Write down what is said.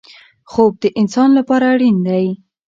خوب د انسان لپاره اړین دی.